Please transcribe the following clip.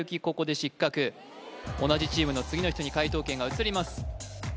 ここで失格同じチームの次の人に解答権が移ります